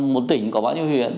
một tỉnh có bao nhiêu huyện